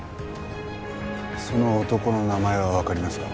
その男の名前はわかりますか？